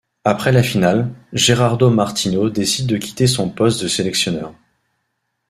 Après la finale, Gerardo Martino décide de quitter son poste de sélectionneur.